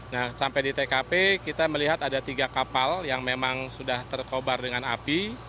nah sampai di tkp kita melihat ada tiga kapal yang memang sudah terkobar dengan api